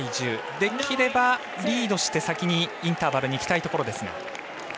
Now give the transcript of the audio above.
できればリードして先にインターバルにいきたいところですが。